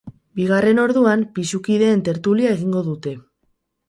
Bigarren orduan, pisukideen tertulia egingo dute.